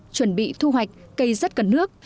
chuẩn bị thu hoạch cây rất cần nước